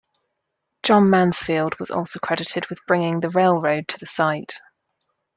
John Mansfield was also credited with bringing the railroad to the site.